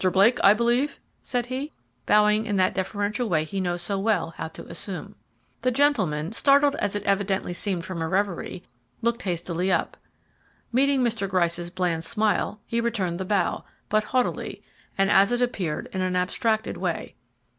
Blake, I believe," said he, bowing in that deferential way he knows so well how to assume. The gentleman, startled as it evidently seemed from a reverie, looked hastily up. Meeting Mr. Gryce's bland smile, he returned the bow, but haughtily, and as it appeared in an abstracted way.